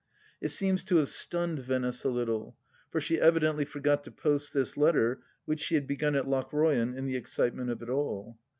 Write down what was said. It seems to have stunned Venice a little, for she evi dently forgot to post this letter, which she had begim at Lochroyan, in the excitement of it all.